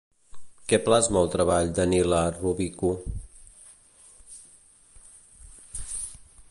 Què plasma el treball d'Anila Rubiku?